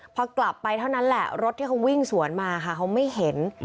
พอกลับไปเท่านั้นแหละรถที่เขาวิ่งสวนมาค่ะเขาไม่เห็น